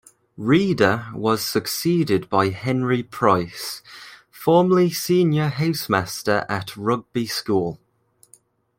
Reader was succeeded by Henry Price, formerly Senior Housemaster at Rugby School.